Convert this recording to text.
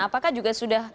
apakah juga sudah